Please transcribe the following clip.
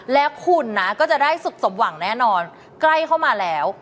และคุณนะก็จะได้สุขสมหวังแน่นอนใกล้เข้ามาแล้ว